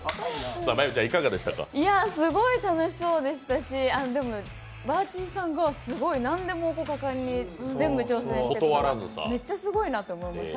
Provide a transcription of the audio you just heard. すごい楽しそうでしたし、でも、バーチーさんがすごい何でも果敢に全部挑戦してて、めっちゃすごいなと思ってました。